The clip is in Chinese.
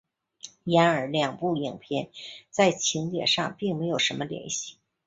然而两部影片在情节上并没有什么联系。